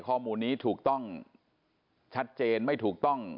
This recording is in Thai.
ข้อมูลนี้ถูกต้องชัดเจนไม่ถูกต้อง